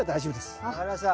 分かりました。